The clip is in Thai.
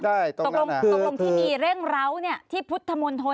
ได้ตรงนั้นคือตรงรวมที่ดีเร่งเราที่พุทธมนต์ทน